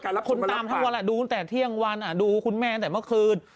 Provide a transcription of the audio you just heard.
โหวันนี้คนตามทั้งวันดูตั้งแต่เที่ยงวันดูคุณแม่ตั้งแต่เมื่อคืน